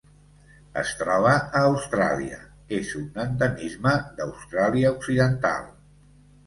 Es troba a Austràlia: és un endemisme d'Austràlia Occidental.